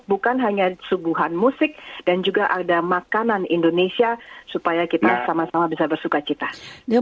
bukan hanya suguhan musik dan juga ada makanan indonesia supaya kita sama sama bisa bersuka cita